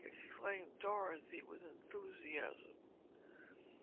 exclaimed Dorothy, with enthusiasm.